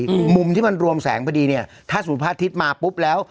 อืมมุมที่มันรวมแสงพอดีเนี้ยถ้าสมมุติพระอาทิตย์มาปุ๊บแล้ว